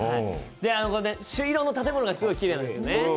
朱色の建物がすごくきれいなんですよね。